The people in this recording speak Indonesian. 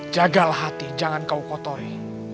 jagalah hati jangan kau kotori